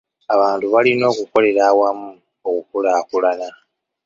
Abantu balina okukolere awamu okukulaakulana.